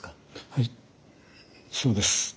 はいそうです。